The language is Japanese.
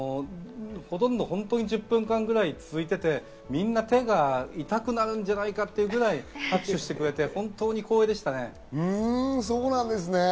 １０分間くらい続いていて、みんな手が痛くなるんじゃないかっていうぐらい拍手してくれて、本当に光栄でしたね。